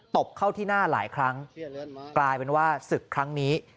บเข้าที่หน้าหลายครั้งกลายเป็นว่าศึกครั้งนี้